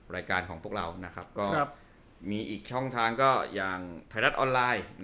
รายการของพวกเราก็มีอีกช่องทางก็อย่างไทยรัฐออนไลน์